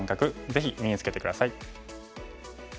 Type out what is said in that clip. ぜひ身につけて下さい。